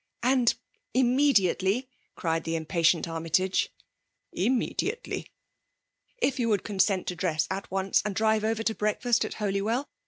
''And immediately?*^ cried the impatient Armyti^e* Immediately/' If you would consent to dress at once, and drive over to breakfast at Holjrwell?